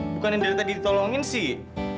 bukan yang dari tadi ditolongin sih